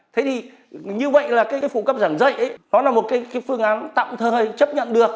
thế thì như vậy là cái phụ cấp giảng dạy nó là một cái phương án tạm thời chấp nhận được